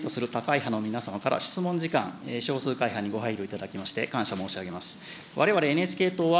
自民党はじめとする他会派の皆様から、質問時間、少数会派にご配慮いただきまして、感謝申し上げます。